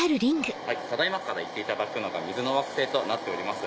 ただ今から行っていただくのが水の惑星となっております。